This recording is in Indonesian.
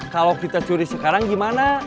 kalau kita curi sekarang gimana